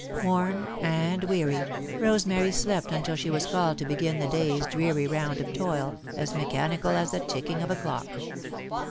Worn and weary, Rosemary slept until she was called to begin the day's dreary round of toil, as mechanical as the ticking of a clock.